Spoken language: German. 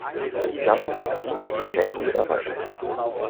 Die Sammlung wird primär durch Schenkungen erweitert.